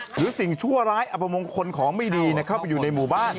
สิ่งชั่วร้ายอัปมงคลของไม่ดีเข้าไปอยู่ในหมู่บ้าน